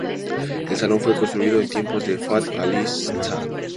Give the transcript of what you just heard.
El salón fue construido en tiempos de Fath Alí Shah.